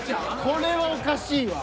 これはおかしいわ。